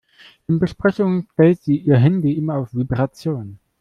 In Besprechungen stellt sie ihr Handy immer auf Vibration.